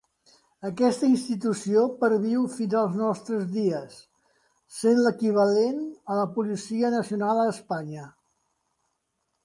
Aquesta institució perviu fins als nostres dies, sent l'equivalent a la Policia Nacional a Espanya.